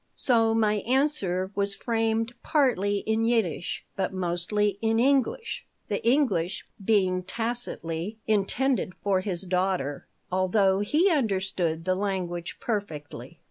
So my answer was framed partly in Yiddish, but mostly in English, the English being tacitly intended for his daughter, although he understood the language perfectly.